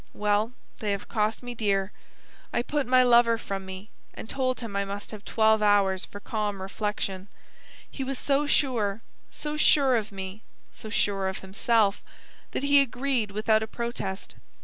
"Well, they have cost me dear. I put my lover from me and told him I must have twelve hours for calm reflection. He was so sure so sure of me, so sure of himself that he agreed without a protest.